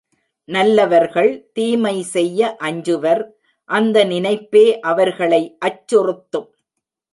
நல்லவர்கள் தீமை செய்ய அஞ்சுவர் அந்த நினைப்பே அவர்களை அச்சுறுத்தும்.